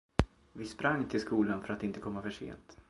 Vi sprang till skolan, för att inte komma försent.